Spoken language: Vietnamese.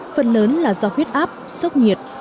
phần lớn là do huyết áp sốc nhiệt